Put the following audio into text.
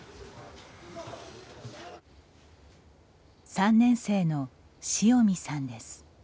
３年生の塩見さんです。